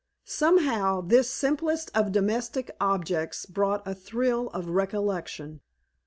Somehow, this simplest of domestic objects brought a thrill of recollection.